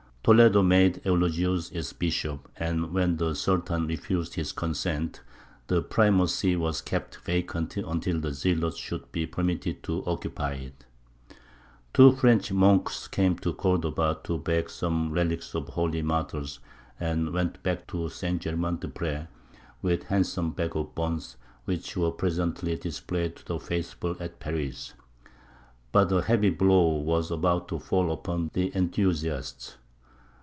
Toledo made Eulogius its bishop, and when the Sultan refused his consent, the primacy was kept vacant until the zealot should be permitted to occupy it. Two French monks came to Cordova to beg some relics of the holy martyrs, and went back to St. Germain des Pres with a handsome bag of bones, which were presently displayed to the faithful at Paris. But a heavy blow was about to fall upon the enthusiasts.